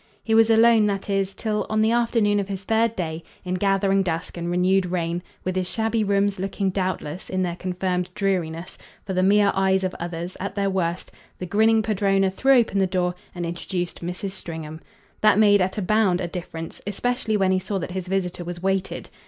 He was alone, that is, till, on the afternoon of his third day, in gathering dusk and renewed rain, with his shabby rooms looking doubtless, in their confirmed dreariness, for the mere eyes of others, at their worst, the grinning padrona threw open the door and introduced Mrs. Stringham. That made at a bound a difference, especially when he saw that his visitor was weighted.